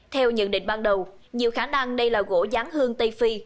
theo nhận định ban đầu nhiều khả năng đây là gỗ giáng hương tây phi